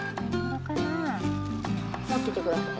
もっててください。